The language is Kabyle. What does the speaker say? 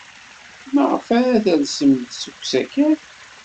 Maɣef ara tersem seg usakal?